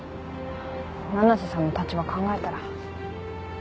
七瀬さんの立場考えたら。